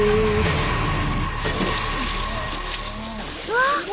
うわ！